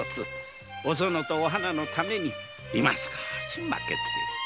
おそのとお花のためにいま少しまけて。